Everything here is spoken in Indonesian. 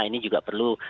ini juga perlu